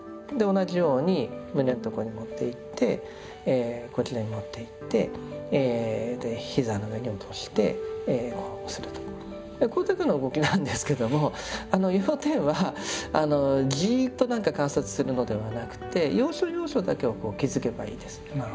同じように胸の所に持っていってこちらに持っていって膝の上に落としてこれだけの動きなんですけども要点はじっと観察するのではなくて要所要所だけを気づけばいいです。